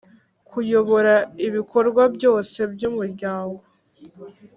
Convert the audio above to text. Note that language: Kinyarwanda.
Kuyobora ibikorwa byose by’Umuryango;